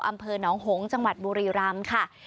อำเภอหนองหงษ์จังหวัดบุรีรำค่ะ